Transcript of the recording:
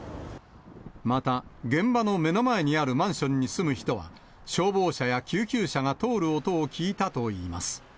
また、現場の目の前にあるマンションに住む人は、消防車や救急車が通る音を聞いたといいます。